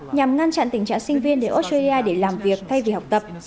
nhằm ngăn chặn tình trạng sinh viên đến australia để làm việc thay vì học tập